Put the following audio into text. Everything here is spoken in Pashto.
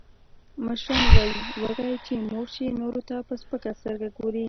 مشران وایي: وږی چې موړ شي، نورو ته په سپکه سترګه ګوري.